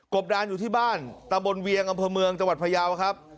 ดานอยู่ที่บ้านตะบนเวียงอำเภอเมืองจังหวัดพยาวครับ